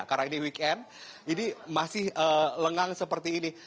karena ini weekend ini masih lengang seperti ini